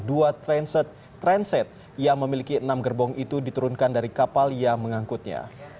dua transit yang memiliki enam gerbong itu diturunkan dari kapal yang mengangkutnya